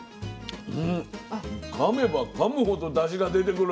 かめばかむほどだしが出てくる。